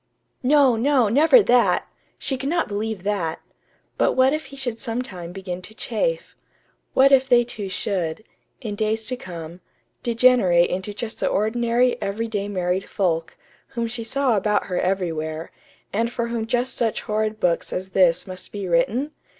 No, no, never that! She could not believe that. But what if he should sometime begin to chafe? What if they two should, in days to come, degenerate into just the ordinary, everyday married folk, whom she saw about her everywhere, and for whom just such horrid books as this must be written?